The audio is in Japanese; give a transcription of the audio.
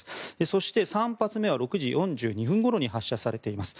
そして、３発目は６時４２分ごろに発射されています。